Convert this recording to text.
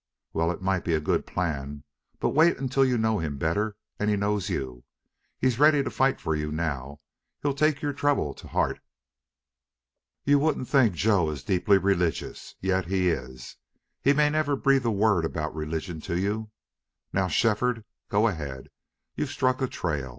"Well, it might be a good plan. But wait until you know him better and he knows you. He's ready to fight for you now. He's taken your trouble to heart. You wouldn't think Joe is deeply religious. Yet he is. He may never breathe a word about religion to you.... Now, Shefford, go ahead. You've struck a trail.